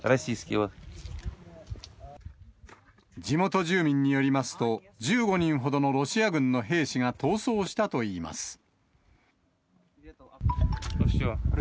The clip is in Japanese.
地元住民によりますと、１５人ほどのロシア軍の兵士が逃走したといいます。